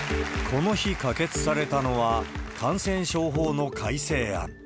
この日、可決されたのは感染症法の改正案。